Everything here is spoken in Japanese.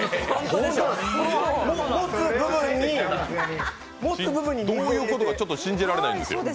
どういうことかちょっと信じられないんですよ。